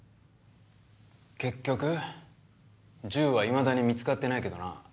結局銃はいまだに見つかってないけどな。